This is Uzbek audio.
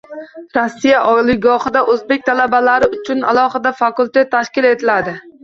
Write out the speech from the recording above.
Rossiya oliygohida o‘zbek talabalari uchun alohida fakultet tashkil etiladi